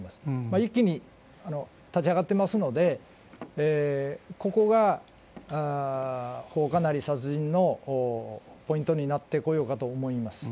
一気に立ち上がってますので、ここが放火なり殺人のポイントになってこようかと思います。